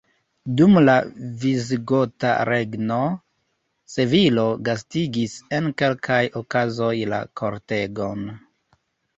Dum la visigota regno Sevilo gastigis en kelkaj okazoj la kortegon.